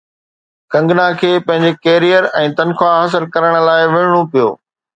ڪنگنا کي پنهنجي ڪيريئر ۽ تنخواه حاصل ڪرڻ لاءِ وڙهڻو پيو